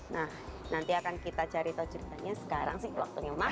nah nanti akan kita cari tahu ceritanya sekarang sih waktunya lemah